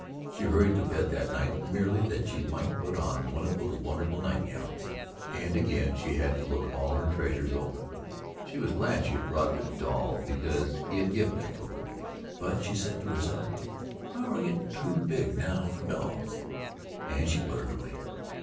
She hurried to bed that night merely that she might put on one of those wonderful night gowns, and again she had to look all her treasures over. She was glad that she had brought the doll because HE had given it to her, but she said to herself "I'm a gittin' too big now fer dolls!" and she put it away.